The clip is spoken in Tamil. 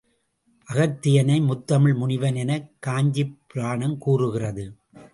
அகத்தியனை முத்தமிழ் முனிவன் எனக் காஞ்சிப் புராணம் கூறுகிறது.